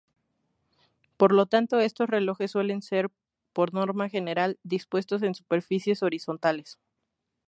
Por lo tanto estos relojes suelen ser, por norma general, dispuestos en superficies horizontales.